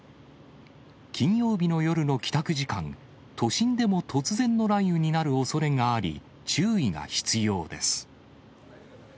金曜日の夜の帰宅時間、都心でも突然の雷雨になるおそれがあり、注意が必要です。